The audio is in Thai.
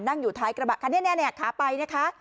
นั่งอยู่ท้ายกระบะค่ะเนี้ยเนี้ยเนี้ยขาไปนะคะ